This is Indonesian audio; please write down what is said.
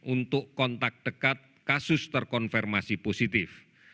untuk kontak dekat kasus terkonfirmasi positif